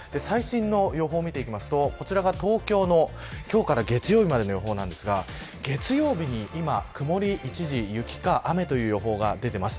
最新予報を見ていきますとこちらが、東京の今日から月曜日までのものですが月曜日、今、曇り一時雪か雨という予報が出ています。